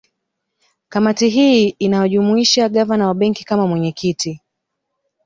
Kamati hii inawajumuisha Gavana wa Benki kama mwenyekiti